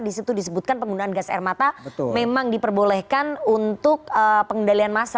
di situ disebutkan penggunaan gas air mata memang diperbolehkan untuk pengendalian massa